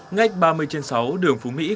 ngách ba mươi trên sáu đường phú mỹ